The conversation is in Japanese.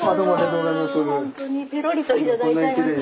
本当にペロリと頂いちゃいました。